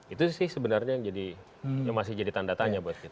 itu sih sebenarnya yang masih jadi tanda tanya buat kita